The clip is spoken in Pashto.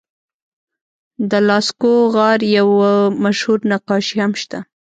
د لاسکو غار یوه مشهور نقاشي هم شته.